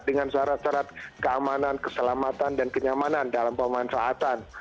dengan syarat syarat keamanan keselamatan dan kenyamanan dalam pemanfaatan